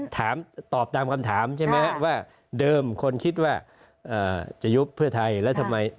ถามตอบตามคำถามใช่ไหมว่าเดิมคนคิดว่าจะยุบเพื่อไทยแล้วทำไม